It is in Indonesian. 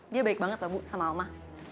dia baik banget lah bu sama alma